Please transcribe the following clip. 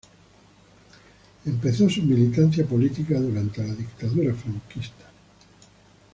Empezó su militancia política durante la dictadura franquista.